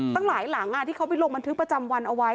ตั้งหลายหลังที่เขาไปลงบันทึกประจำวันเอาไว้